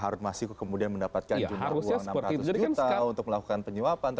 harun masiku kemudian mendapatkan jumlah uang enam ratus juta untuk melakukan penyuapan